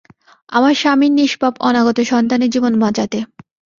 আমার স্বামীর নিষ্পাপ অনাগত সন্তানের জীবন বাচাঁতে।